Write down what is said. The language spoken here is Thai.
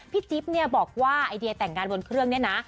พี่จิ๊บบอกว่าไอเดียแต่งงานบนเครื่องนี่นะ